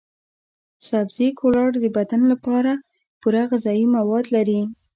سبزي ګولور د بدن لپاره پوره غذايي مواد لري.